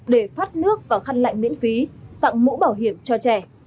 để phát nước và khăn lạnh miễn phí tặng mũ bảo hiểm cho trẻ